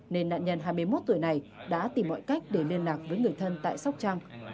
nên nạn nhân hai mươi một tuổi này đã tìm mọi cách để liên lạc với người thân tại sóc trăng